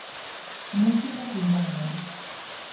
Músicas urbanas.